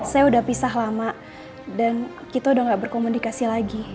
saya udah pisah lama dan kita udah gak berkomunikasi lagi